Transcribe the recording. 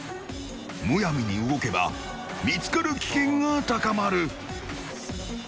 むやみに動けば見つかる危険が高まる。